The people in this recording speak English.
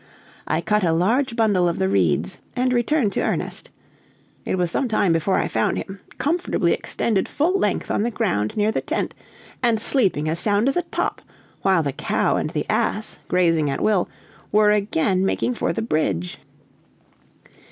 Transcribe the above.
I cut a large bundle of the reeds, and returned to Ernest. It was some time before I found him, comfortably extended full length on the ground near the tent, and sleeping as sound as a top, while the cow and the ass, grazing at will, were again making for the bridge.